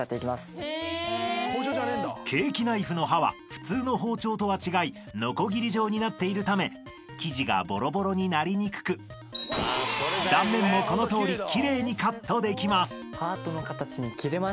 ［ケーキナイフの刃は普通の包丁とは違いのこぎり状になっているため生地がボロボロになりにくく断面もこのとおり奇麗にカットできます］